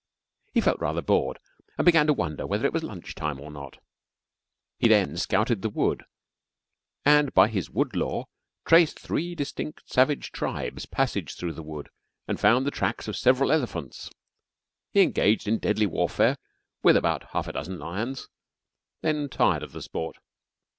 He felt rather bored and began to wonder whether it was lunch time or not. He then "scouted" the wood and by his wood lore traced three distinct savage tribes' passage through the wood and found the tracks of several elephants. He engaged in deadly warfare with about half a dozen lions, then tired of the sport.